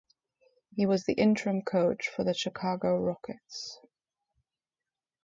He was the Interim coach for the Chicago Rockets.